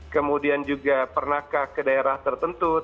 kemudian juga pernahkah ke daerah tertentu